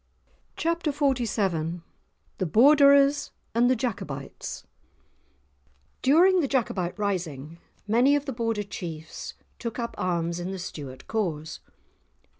*Chapter XLVII* *The Borderers and the Jacobites* During the Jacobite Rising, many of the Border chiefs took up arms in the Stuart cause.